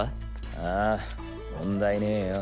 あぁ問題ねえよ。